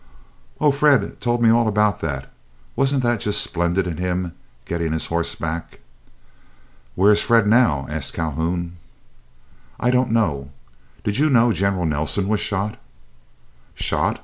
"Oh, Fred told me all about that. Wasn't that just splendid in him, getting his horse back!" "Where is Fred now?" asked Calhoun. "I don't know. Did you know General Nelson was shot?" "Shot?